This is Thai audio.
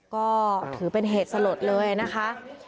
ก็ถือเป็นเหตุสลดเลยนะคะ